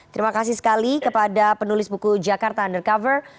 terima kasih sekali kepada penulis buku jakarta undercover